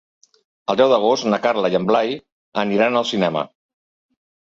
El deu d'agost na Carla i en Blai aniran al cinema.